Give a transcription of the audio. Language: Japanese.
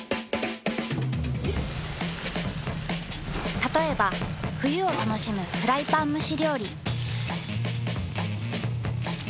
たとえば冬を楽しむフライパン蒸し料理。